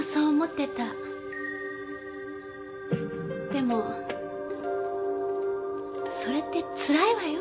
でもそれってつらいわよ。